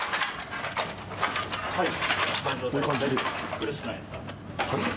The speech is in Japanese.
はい。